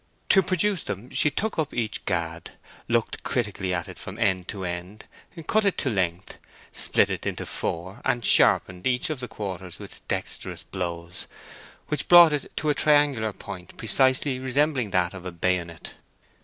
To produce them she took up each gad, looked critically at it from end to end, cut it to length, split it into four, and sharpened each of the quarters with dexterous blows, which brought it to a triangular point precisely resembling that of a bayonet.